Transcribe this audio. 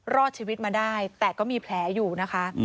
รอดชีวิตมาได้แต่ก็มีแผลอยู่นะคะ